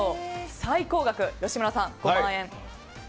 最高額、吉村さん、５万円。